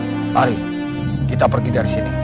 mari kita pergi dari sini